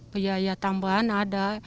biaya tambahan ada